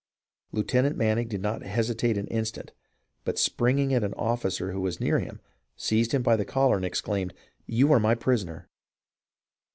Lieutenant Manning did not hesitate an instant, but springing at an officer who was near him seized him by the collar and exclaimed, " You are my prisoner